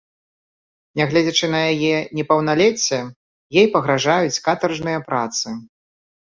Нягледзячы на яе непаўналецце, ей пагражаюць катаржныя працы.